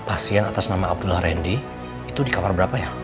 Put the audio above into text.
pasien atas nama abdullah randy itu di kamar berapa ya